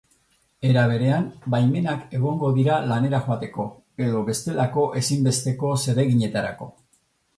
Era berean, baimenak egongo dira lanera joateko edo bestelako ezinbesteko zereginetarako.